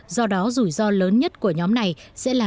do đó rủi ro lớn nhất của nhóm này sẽ là khó khăn